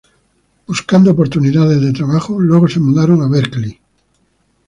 Buscando oportunidades de trabajo, luego se mudaron a Berkeley.